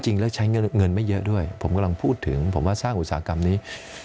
จริงแล้วใช้เงินไม่เยอะด้วยผมกำลังพูดถึงผมว่าสร้างอุตสาหกรรมนี้